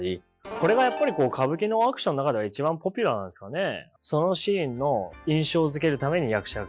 それがやっぱり歌舞伎のアクションの中では一番ポピュラーなんですかね。